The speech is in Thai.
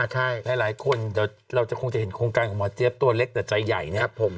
ใช่หลายคนเดี๋ยวเราจะคงจะเห็นโครงการของหมอเจี๊ยบตัวเล็กแต่ใจใหญ่นะครับผม